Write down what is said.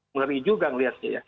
ngeri juga ngelihatnya ya